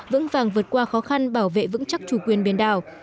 vững vàng vượt qua khó khăn bảo vệ vững chắc chủ quyền biển đảo